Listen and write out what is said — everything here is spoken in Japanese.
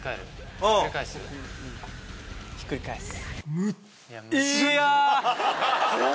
ひっくり返す。